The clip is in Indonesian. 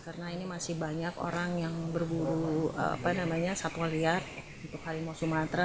karena ini masih banyak orang yang berburu satwa liar untuk harimau sumatera